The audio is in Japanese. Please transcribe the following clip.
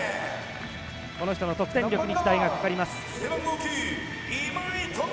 この人の得点力に期待がかかります。